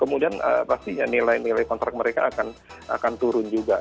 kemudian pastinya nilai nilai kontrak mereka akan turun juga